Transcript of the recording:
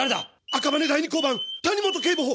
赤羽第二交番谷本警部補。